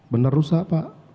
benar rusak pak